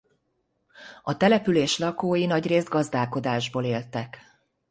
A település lakói nagyrészt gazdálkodásból éltek.